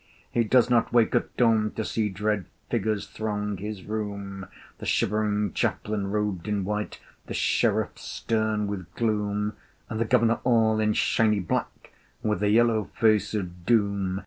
He does not wake at dawn to see Dread figures throng his room, The shivering Chaplain robed in white, The Sheriff stern with gloom, And the Governor all in shiny black, With the yellow face of Doom.